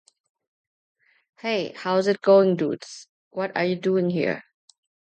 Hey, how's it going dudes? What are you doing here?